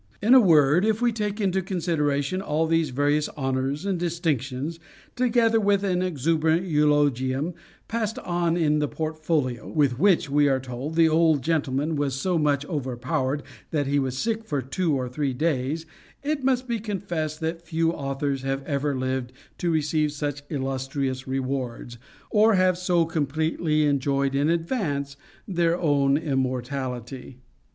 In a word, if we take into consideration all these various honors and distinctions, together with an exuberant eulogium, passed on his in the Portfolio (with which, we are told, the old gentleman was so much overpowered, that he was sick for two or three days) it must be confessed that few authors have ever lived to receive such illustrious rewards, or have so completely enjoyed in advance their own immortality.